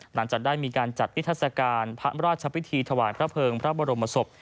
หลังจากนี้มีการนิทรศการร์พระราชวิธีถวัดกระเพิงพระบรมศพ